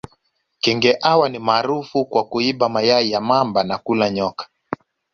Kenge hawa ni maarufu kwa kuiba mayai ya mamba na kula nyoka